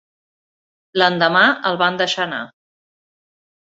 L'endemà el van deixar anar.